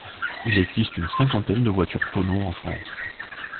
Il existe une cinquantaine de voitures tonneau en France.